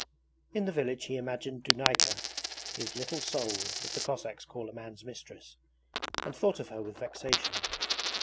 In the village he imagined Dunayka, his 'little soul', as the Cossacks call a man's mistress, and thought of her with vexation.